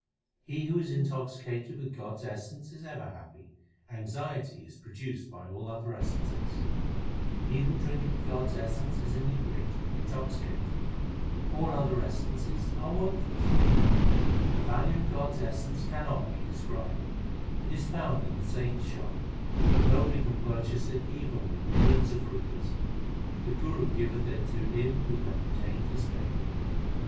He who is intoxicated with God s essence is ever happy ; Anxiety is produced by all other essences. He who drinketh God s essence is inebriated and intoxi cated ; All other essences are worthless. The value of God s essence cannot be described : It is found in the saints shop ; But nobody can purchase it even with millions of rupees. The Guru giveth it to him who hath obtained his favour.